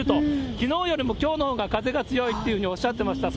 きのうよりもきょうのほうが風が強いっていうふうにおっしゃってました。